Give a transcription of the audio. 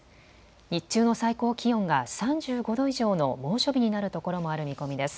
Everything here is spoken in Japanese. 日中の最高気温が３５度以上の猛暑日になるところもある見込みです。